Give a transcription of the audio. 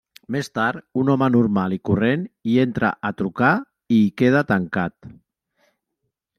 Més tard, un home normal i corrent hi entra a trucar i hi queda tancat.